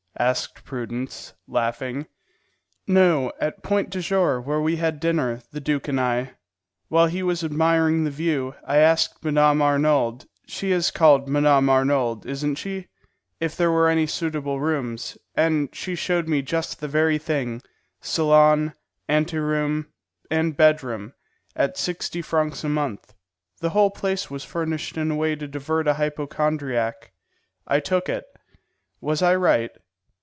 asked Prudence, laughing. "No, at Point du Jour, where we had dinner, the duke and I. While he was admiring the view, I asked Mme. Arnould (she is called Mme. Arnould, isn't she?) if there were any suitable rooms, and she showed me just the very thing: salon, anteroom, and bed room, at sixty francs a month; the whole place furnished in a way to divert a hypochondriac. I took it. Was I right?"